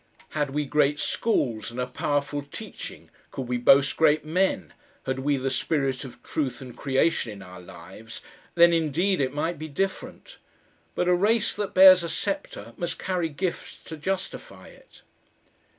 Had we great schools and a powerful teaching, could we boast great men, had we the spirit of truth and creation in our lives, then indeed it might be different. But a race that bears a sceptre must carry gifts to justify it.